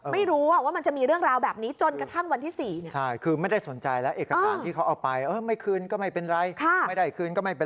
ไม่รู้ว่ามันจะมีเรื่องราวแบบนี้จนกระทั่งวันที่๔